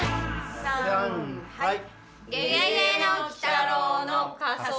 さんはい！